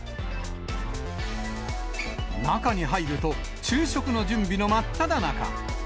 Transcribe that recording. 中に入ると、昼食の準備の真っただ中。